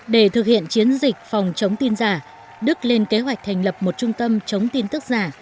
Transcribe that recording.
để thực hiện chiến dịch phòng chống tin giả đức lên kế hoạch thành lập một trung tâm chống tin tức giả